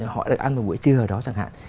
họ ăn một buổi trưa ở đó chẳng hạn